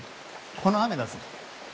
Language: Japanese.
この雨だぞ？